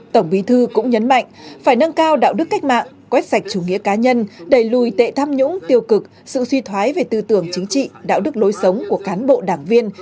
tổng bí thư cũng nhấn mạnh phải nâng cao đạo đức cách mạng quét sạch chủ nghĩa cá nhân đẩy lùi tệ tham nhũng tiêu cực sự suy thoái về tư tưởng chính trị đạo đức lối sống của cán bộ đảng viên